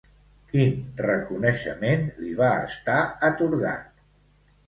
Quin reconeixement li va estar atorgat?